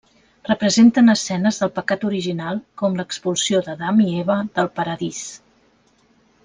Representen escenes del pecat original com l'expulsió d'Adam i Eva del paradís.